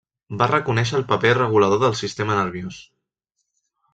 Va reconèixer el paper regulador del sistema nerviós.